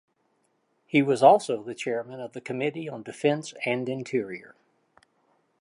He was also the chairman of the Committee on Defense and Interior.